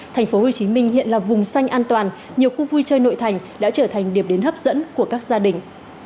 tp hcm hiện là vùng xanh an toàn nhiều khu vui chơi nội thành đã trở thành điểm đến hấp dẫn của các gia đình